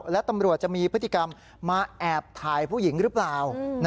และตำรวจจะมีพฤติกรรมมาแอบถ่ายผู้หญิงหรือเปล่า